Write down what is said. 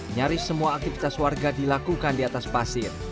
nyaris semua aktivitas warga dilakukan di atas pasir